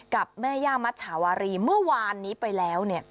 กับแม่ย่ามัชชาวารีเมื่อวานนี้ไปแล้ว